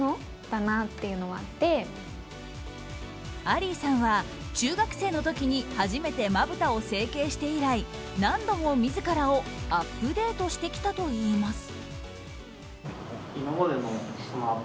アリーさんは中学生の時に初めてまぶたを整形して以来何度も自らをアップデートしてきたといいます。